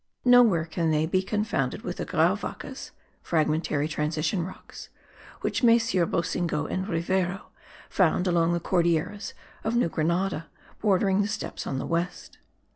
Nowhere can they be confounded with the grauwackes (fragmentary transition rocks) which MM. Boussingault and Rivero found along the Cordilleras of New Grenada, bordering the steppes on the west.